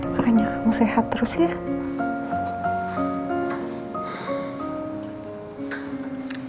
makanya mau sehat terus ya